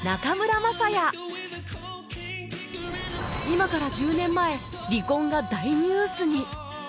今から１０年前離婚が大ニュースに